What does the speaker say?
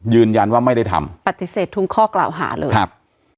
ยืนยันว่าไม่ได้ทำปฏิเสธทุกข้อกล่าวหาเลยครับ